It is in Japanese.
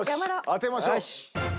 当てましょう。